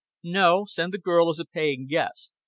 "No, send the girl as a paying guest.